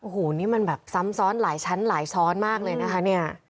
โอ้โหนี่มันแบบซ้ำซ้อนหลายชั้นหลายซ้อนมากเลยนะคะเนี่ย